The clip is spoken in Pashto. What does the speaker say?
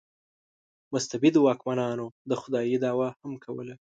مستبدو واکمنانو د خدایي دعوا هم کوله.